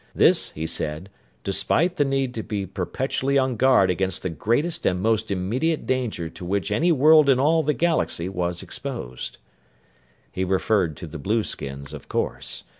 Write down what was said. This, he said, despite the need to be perpetually on guard against the greatest and most immediate danger to which any world in all the galaxy was exposed. He referred to the blueskins, of course.